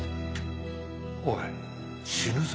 おい死ぬぞ？